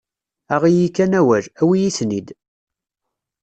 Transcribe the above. Aɣ-iyi kan awal, awi-yi-ten-id.